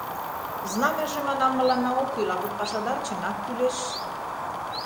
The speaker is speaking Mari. — Знамяже, манам, мыланна ок кӱл, а вот пашадар чынак кӱлеш...